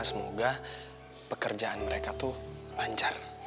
semoga pekerjaan mereka tuh lancar